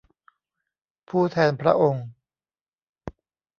ผู้แทนพระองค์